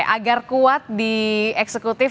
agar kuat di eksekutif